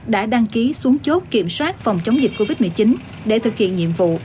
đã đăng ký xuống chốt kiểm soát phòng chống dịch covid một mươi chín để thực hiện nhiệm vụ